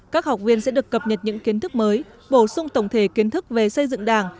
các học viên sẽ được cập nhật những kiến thức mới bổ sung tổng thể kiến thức về xây dựng đảng